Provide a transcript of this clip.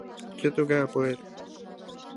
Кӧ тугае поэт?